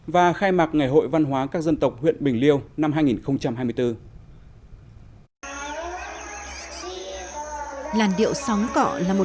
và khai mạc ngày hội văn hóa các dân tộc huyện bình liêu năm hai nghìn hai mươi bốn